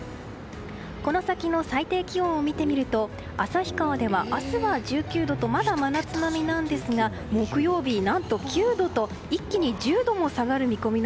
この先の最低気温を見てみると旭川では明日は１９度とまだ真夏並みなんですが木曜日、何と９度と一気に１０度も下がります。